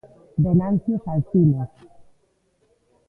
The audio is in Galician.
Venancio Salcines.